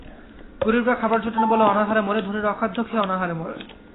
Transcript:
গরীবরা খাবার জোটে না বলে অনাহারে মরে, ধনীরা অখাদ্য খেয়ে অনাহারে মরে।